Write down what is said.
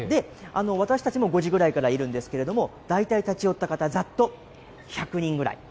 私たちも５時ぐらいからいるんですけれども、大体、立ち寄った方、ざっと１００人ぐらい。